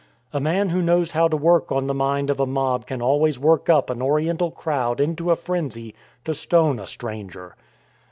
A man who knows how to work on the mind of a mob can always work up an Oriental crowd into a frenzy to stone a stranger.